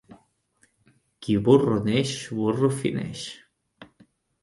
Qui burro neix, burro fineix.